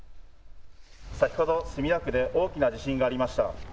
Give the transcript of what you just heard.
先ほど墨田区で大きな地震がありました。